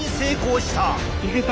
いけた？